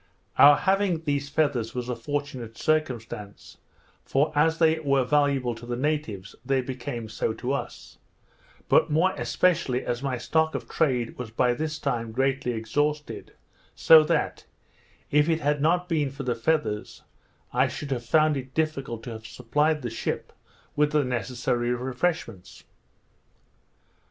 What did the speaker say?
Our having these feathers was a fortunate circumstance, for as they were valuable to the natives, they became so to us; but more especially as my stock of trade was by this time greatly exhausted; so that, if it had not been for the feathers, I should have found it difficult to have supplied the ship with the necessary refreshments.